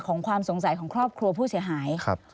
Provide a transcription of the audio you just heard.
ความสงสัยของครอบครัวผู้เสียหาย